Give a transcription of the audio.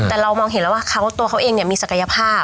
แต่เรามองเห็นแล้วว่าตัวเขาเองมีศักยภาพ